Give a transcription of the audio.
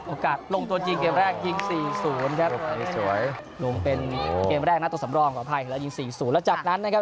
โอกาสลงตัวจริงเกมแรกยิงสี่ศูนย์นะครับ